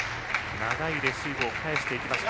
長いレシーブを返していきました。